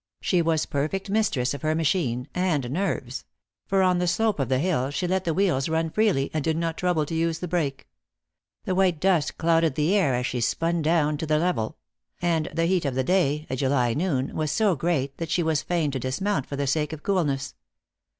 She was perfect mistress of her machine and nerves; for on the slope of the hill she let the wheels run freely, and did not trouble to use the brake. The white dust clouded the air as she spun down to the level; and the heat of the day a July noon was so great that she was fain to dismount for the sake of coolness.